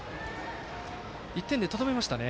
１点でとどめましたね。